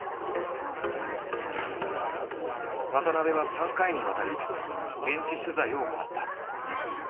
渡部は３回にわたり現地取材を行った。